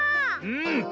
うん！